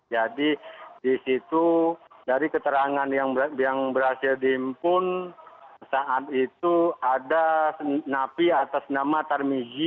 jadi di situ dari keterangan yang berhasil diimpun saat itu ada napi atas nama tarmizi